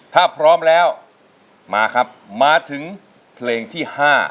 ถ้าพร้อมแล้วมาครับมาถึงเพลงที่๕